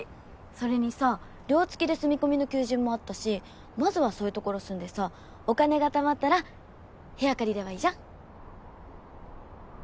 それにさ寮付きで住み込みの求人もあったしまずはそういうところ住んでさお金が貯まったら部屋借りればいいじゃん？